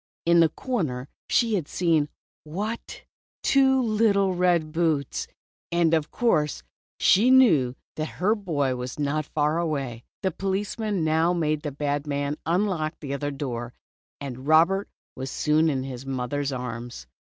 In the corner she had seen — what ! Two little red boots. And of course she knew then that her boy was not far away. The police man now made the bad man unlock the other door, and Robert was soon in his mother's arms.